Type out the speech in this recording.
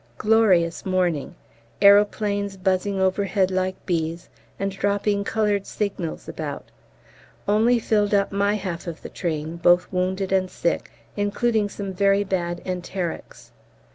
Glorious morning. Aeroplanes buzzing overhead like bees, and dropping coloured signals about. Only filled up my half of the train, both wounded and sick, including some very bad enterics.